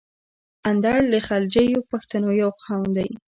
اندړ د غلجیو پښتنو یو قوم ده.